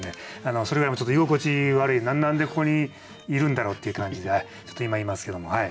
それぐらい今ちょっと居心地悪い何でここにいるんだろうっていう感じでちょっと今いますけどもはい！